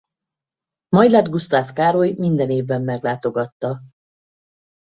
Majláth Gusztáv Károly minden évben meglátogatta.